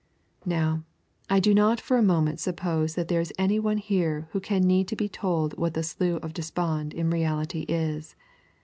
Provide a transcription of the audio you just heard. Now, I do not for a moment suppose that there is any one here who can need to be told what the Slough of Despond in reality is.